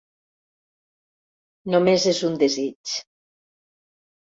Només és un desig.